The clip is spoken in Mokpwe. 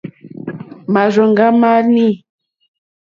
Màrzòŋɡá má nǐ.